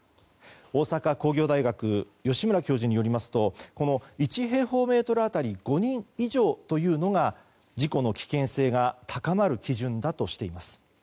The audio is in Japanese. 大阪工業大学吉村教授によりますと１平方メートル当たり５人以上というのが事故の危険性が高まる基準だとしています。